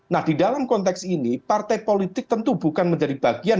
nah di dalam konteks ini partai politik tentu bukan menjadi bagian